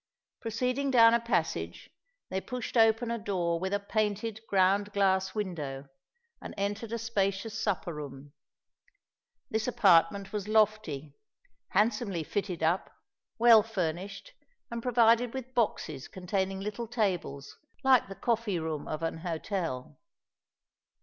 Proceeding down a passage, they pushed open a door with a painted ground glass window, and entered a spacious supper room. This apartment was lofty, handsomely fitted up, well furnished, and provided with boxes containing little tables, like the coffee room of an hotel.